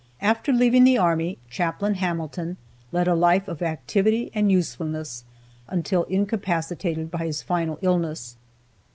After leaving the army, Chaplain Hamilton led a life of activity and usefulness until incapacitated by his final illness.